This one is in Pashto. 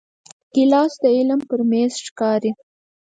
ګیلاس د علم پر میز ښکاري.